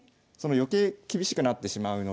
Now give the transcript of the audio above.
余計厳しくなってしまうので。